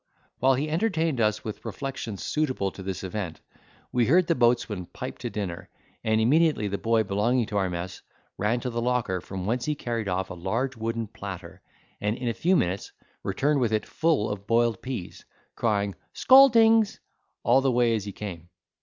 While we entertained us with reflections suitable to this event, we heard the boatswain pipe to dinner; and immediately the boy belonging to our mess ran to the locker, from whence he carried off a large wooden platter, and, in a few minutes, returned with it full of boiled peas, crying "Scaldings" all the way as he came.